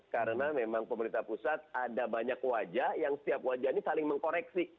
karena memang pemerintah pusat ada banyak wajah yang setiap wajah ini saling mengkoreksi